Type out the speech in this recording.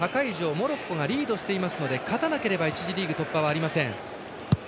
モロッコがリードしていますので勝たないと１次リーグ突破はありません。